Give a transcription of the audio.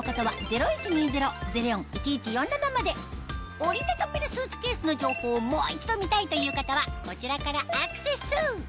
折りたためるスーツケースの情報をもう一度見たいという方はこちらからアクセス！